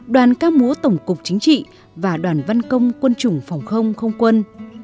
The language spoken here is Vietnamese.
đoàn các múa tổng cục chính trị và đoàn văn công quân chủng phòng không không quân